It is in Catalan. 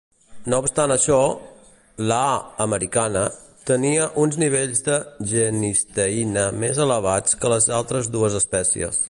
No obstant això, l'"A. americana" tenia uns nivells de genisteïna més elevats que les altres dues espècies.